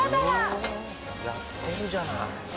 やってるじゃない。